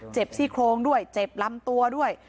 ซี่โครงด้วยเจ็บลำตัวด้วย